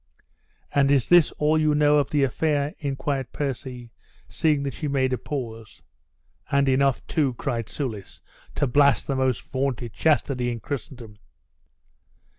"And is this all you know of the affair?" inquired Percy, seeing that she made a pause. "And enough, too?" cried Soulis, "to blast the most vaunted chastity in Christendom."